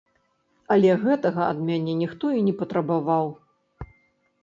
Але гэтага ад мяне ніхто і не патрабаваў.